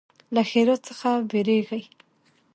له ښرا څخه ویریږي.